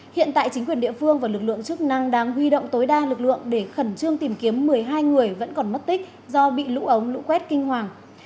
hiện tại chính quyền địa phương và lực lượng chức năng đang huy động tối đa lực lượng để khẩn trương tìm kiếm một mươi hai người vẫn còn mất tích do bị lũ ống lũ quét kinh hoàng